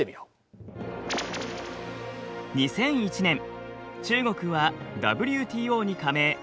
２００１年中国はＷＴＯに加盟。